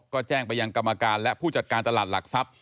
ก็แจ้งไปยังกรรมการและผู้จัดการตลาดหลักทรัพย์